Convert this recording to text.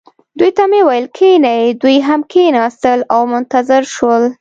دوی ته مې وویل: کښینئ. دوی هم کښېنستل او منتظر شول.